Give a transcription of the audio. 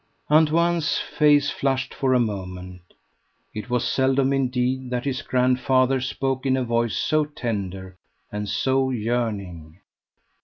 Antoine's face flushed for a moment. It was seldom, indeed, that his grandfather spoke in a voice so tender and so yearning.